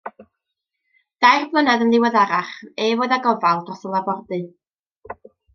Dair blynedd yn ddiweddarach, ef oedd â gofal dros y labordy.